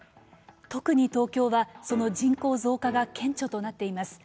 特に東京は、その人口増加が顕著となっています。